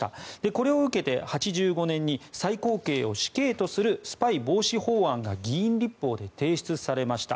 これを受けて、８５年に最高刑を死刑とするスパイ防止法案が議員立法で提出されました。